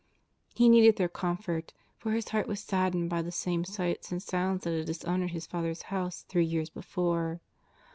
He needed their comfort, for His Heart was sad dened by the same sights and sounds that had dis honoured His Father's House three years before.